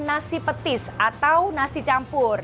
nasi petis atau nasi campur